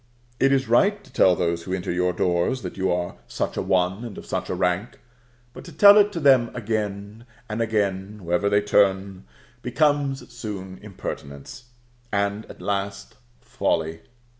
It is right to tell those who enter your doors that you are such a one, and of such a rank; but to tell it to them again and again, wherever they turn, becomes soon impertinence, and at last folly.